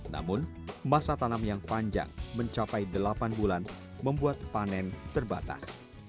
namun masa tanam yang panjang mencapai delapan bulan membuat panen terbatas